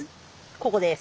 ここです。